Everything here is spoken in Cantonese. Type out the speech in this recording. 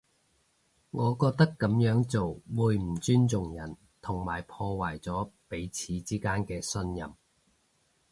我覺得噉樣做會唔尊重人，同埋破壞咗彼此之間嘅信任